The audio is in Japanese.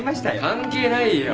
関係ないよ。